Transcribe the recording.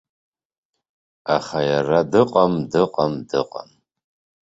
Аха иара дыҟам, дыҟам, дыҟам.